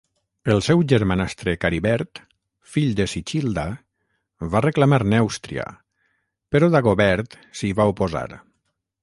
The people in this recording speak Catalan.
El seu germanastre Caribert, fill de Sichilda, va reclamar Nèustria, però Dagobert s'hi va oposar.